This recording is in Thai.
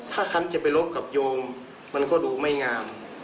ถ้าฉันจะไปรบกับโยมมันก็ดูไม่งาม